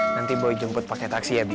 ada nanti boy jemput paket taksi ya bi